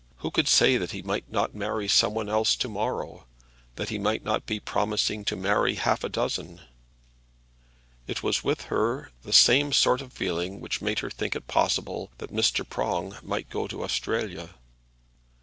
Who could say that he might not marry some one else to morrow, that he might not be promising to marry half a dozen? It was with her the same sort of feeling which made her think it possible that Mr. Prong might go to Australia.